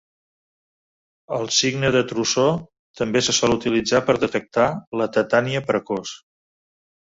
El signe de Trousseau també se sol utilitzar per detectar la tetània precoç.